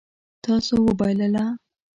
تاسو وبایلله